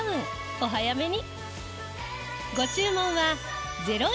お早めに。